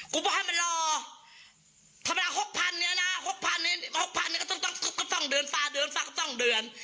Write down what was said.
กูบอกให้มันรอธรรมดา๖๐๐๐เนี่ยนะ๖๐๐๐เนี่ย๖๐๐๐เนี่ยก็ต้องเดือนต้องเดือนต้องเดือนต้องเดือน